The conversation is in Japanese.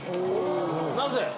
なぜ？